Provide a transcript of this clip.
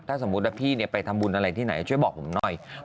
ถ้าสมมุติว่าพี่ไปทำบุญอะไรที่ไหนช่วยบอกผมหน่อย